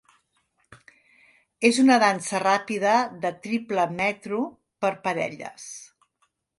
És una dansa ràpida de triple metro per parelles.